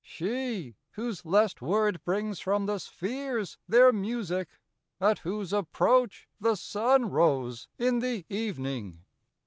She , whose lest word brings from the spheares their musique. At whose approach the Sunne rose in the evening.